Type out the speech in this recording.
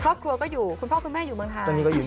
ครอบครัวก็อยู่คุณพ่อคุณแม่อยู่เมืองไทย